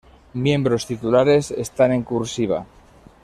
Miembros titulares están en "cursiva".